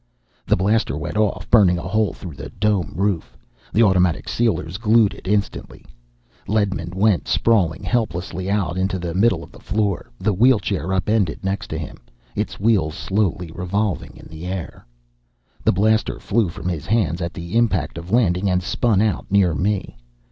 The blaster went off, burning a hole through the Dome roof. The automatic sealers glued in instantly. Ledman went sprawling helplessly out into the middle of the floor, the wheelchair upended next to him, its wheels slowly revolving in the air. The blaster flew from his hands at the impact of landing and spun out near me.